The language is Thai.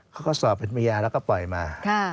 เขาก็สอบเป็นพยานแล้วก็ปล่อยมา